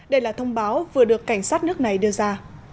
đây là thông báo vừa được cảnh sát nước này đưa ra